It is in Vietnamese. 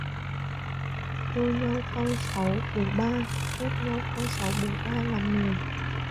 Yêu nhau cau sáu bổ ba, ghét nhau cau sáu bổ ra làm mười